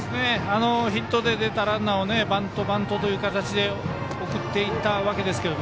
ヒットで出たランナーをバント、バントという形で送っていったわけですが。